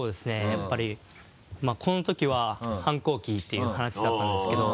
やっぱりこの時は反抗期っていう話だったんですけど。